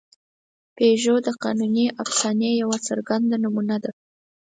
پيژو د قانوني افسانې یوه څرګنده نمونه ده.